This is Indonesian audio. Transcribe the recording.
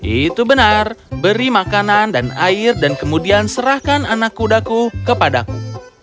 itu benar beri makanan dan air dan kemudian serahkan anak kudaku kepadaku